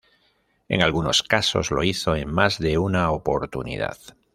En algunos casos lo hizo en más de una oportunidad.